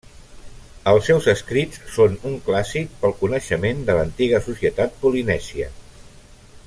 Els seus escrits són un clàssic pel coneixement de l'antiga societat polinèsia.